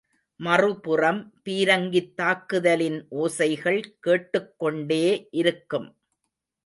மறுபுறம் பீரங்கித் தாக்குதலின் ஓசைகள் கேட்டுக் கொண்டே இருக்கும்.